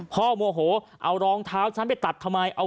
โมโหเอารองเท้าฉันไปตัดทำไม